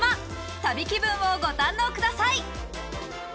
旅気分をご堪能ください。